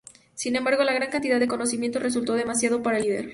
Sin embargo, la gran cantidad de conocimiento resultó demasiado para el Líder.